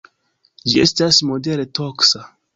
Ĝi estas modere toksa.